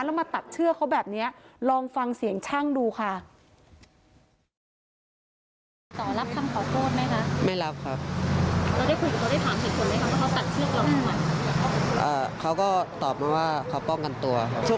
แล้วมาตัดเชือกเขาแบบนี้ลองฟังเสียงช่างดูค่ะ